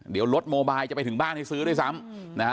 เดี๋ยวรถโมบายจะไปถึงบ้านให้ซื้อด้วยซ้ำนะฮะ